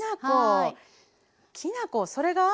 きな粉それが？